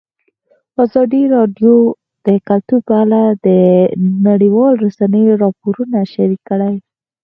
ازادي راډیو د کلتور په اړه د نړیوالو رسنیو راپورونه شریک کړي.